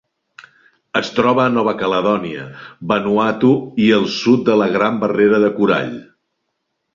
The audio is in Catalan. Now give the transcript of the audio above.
Es troba a Nova Caledònia, Vanuatu i el sud de la Gran Barrera de Corall.